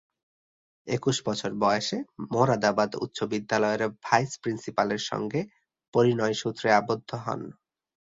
একুশ বছর বয়সে মোরাদাবাদ উচ্চ বিদ্যালয়ের ভাইস-প্রিন্সিপ্যালের সঙ্গে পরিণয়সূত্রে আবদ্ধ হন।